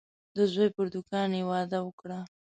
د زوی پر دوکان یې وعده وکړه.